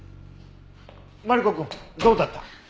マリコくんどうだった？